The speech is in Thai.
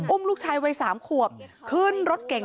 อุ้มลูกชายวัย๓คั่วขึ้นรถเก่ง